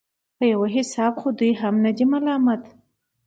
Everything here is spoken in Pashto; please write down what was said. په يو حساب خو دوى هم نه دي ملامت.